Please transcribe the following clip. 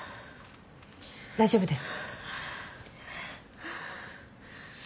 大丈夫です。